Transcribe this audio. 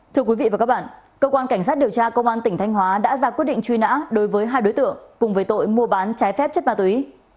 thưa quý vị và các bạn cơ quan cảnh sát điều tra công an tỉnh thanh hóa đã ra quyết định truy nã đối với hai đối tượng cùng về tội mua bán trái phép chất ma túy